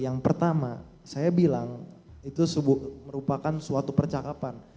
yang pertama saya bilang itu merupakan suatu percakapan